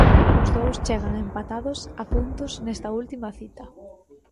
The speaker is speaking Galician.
Os dous chegan empatados a puntos nesta última cita.